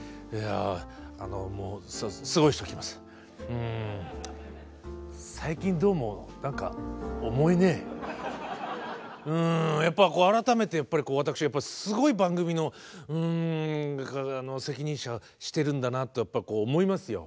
うん最近どうも何か改めて私すごい番組の責任者してるんだなって思いますよ。